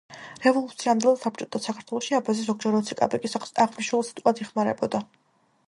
რევოლუციამდელ და საბჭოთა საქართველოში „აბაზი“ ზოგჯერ ოცი კაპიკის აღმნიშვნელ სიტყვად იხმარებოდა.